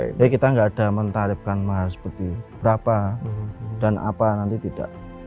jadi kita nggak ada mentarifkan mahar seperti berapa dan apa nanti tidak